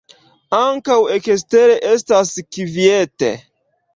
Ankaŭ ekstere estas kviete.